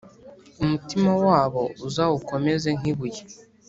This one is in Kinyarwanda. umutima wabo uzawukomeze nk’ibuye,